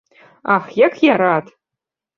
Ах, як я рад!